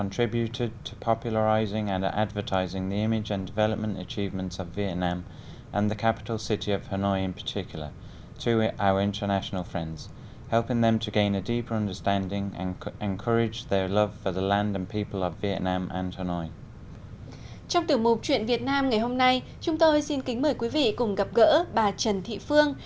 trong tiểu mục truyền việt nam ngày hôm nay chúng tôi xin kính mời quý vị cùng gặp gỡ bà trần thị phương